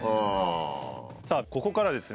さあここからはですね